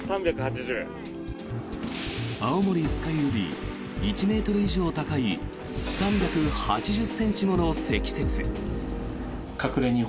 青森・酸ケ湯より１ｍ以上高い３８０ｃｍもの積雪。